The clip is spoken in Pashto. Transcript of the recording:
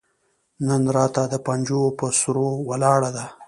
نن راته د پنجو پهٔ سرو ولاړه ده